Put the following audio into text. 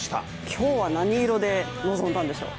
今日は何色で臨んだんでしょう。